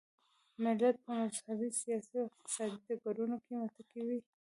ملت په مذهبي، سیاسي او اقتصادي ډګرونو کې متکي وي.